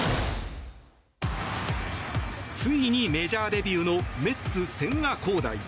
ついにメジャーデビューのメッツ、千賀滉大。